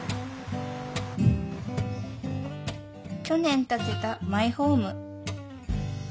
去年建てたマイホーム。